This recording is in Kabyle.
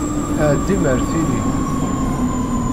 Ɛeddim ar tili!